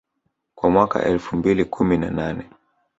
kwa mwaka elfu mbili kumi na nane